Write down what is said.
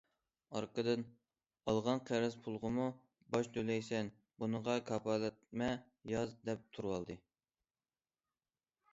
ئارقىدىن« ئالغان قەرز پۇلىغىمۇ باج تۆلەيسەن، بۇنىڭغا كاپالەتنامە ياز» دەپ تۇرۇۋالدى.